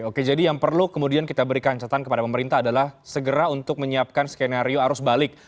oke jadi yang perlu kemudian kita berikan catatan kepada pemerintah adalah segera untuk menyiapkan skenario arus balik